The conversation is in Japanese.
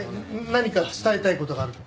何か伝えたい事がある？